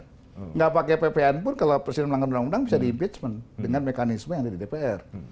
tidak pakai ppn pun kalau presiden melanggar undang undang bisa diimpeachment dengan mekanisme yang ada di dpr